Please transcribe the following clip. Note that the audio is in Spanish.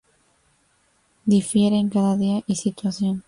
Difiere en cada día y situación.